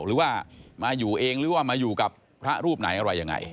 หรือว่ามาอยู่เองหรือว่ามาอยู่กับพระรูปไหนอะไรยังไง